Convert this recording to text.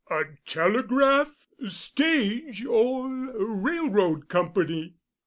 A telegraph, stage, or railroad company?"